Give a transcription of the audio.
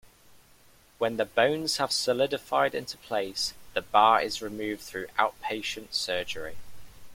When the bones have solidified into place, the bar is removed through outpatient surgery.